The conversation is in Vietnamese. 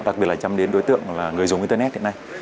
đặc biệt là chăm đến đối tượng là người dùng internet hiện nay